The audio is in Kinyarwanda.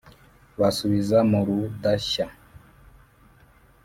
Basubiza mu Rudashya;